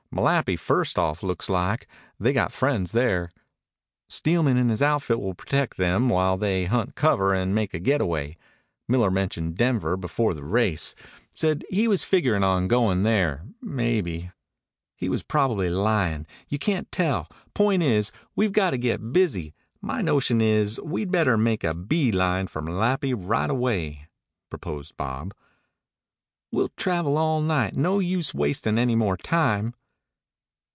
Malapi first off, looks like. They got friends there." "Steelman and his outfit will protect them while they hunt cover and make a getaway. Miller mentioned Denver before the race said he was figurin' on goin' there. Maybe " "He was probably lyin'. You can't tell. Point is, we've got to get busy. My notion is we'd better make a bee line for Malapi right away," proposed Bob. "We'll travel all night. No use wastin' any more time."